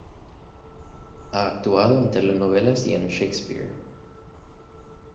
Ha actuado en telenovelas y en "Shakespeare".